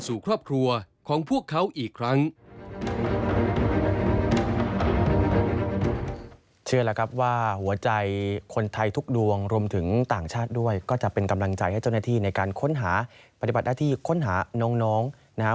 สู่ครอบครัวของพวกเขาอีกครั้ง